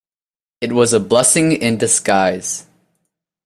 It was a blessing in disguise.